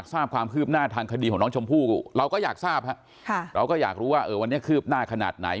เราก็อยากรู้ว่าวันนี้คืบหน้าขนาดไหน